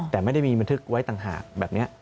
แต่ไม่ได้มีบันทึกไว้ต่างหากแบบนี้